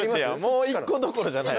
もう１個どころじゃない。